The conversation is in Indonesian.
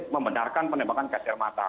membenarkan penembakan gajah mata